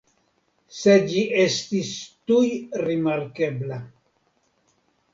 Sed ĝi estis tuj rimarkebla.